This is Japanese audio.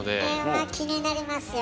これは気になりますよ。